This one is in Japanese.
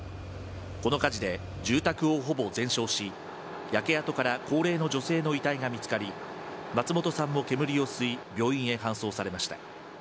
この火事で住宅をほぼ全焼し、焼け跡から高齢の女性の遺体が見つかり、松本さんも煙を吸い、病院へ搬送されました。